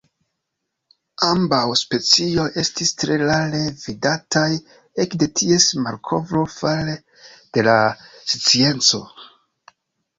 Ambaŭ specioj estis tre rare vidataj ekde ties malkovro fare de la scienco.